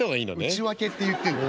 内訳って言ってんの？